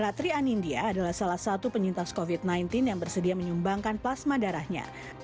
ratri anindya adalah salah satu penyintas covid sembilan belas yang bersedia menyumbangkan plasma darahnya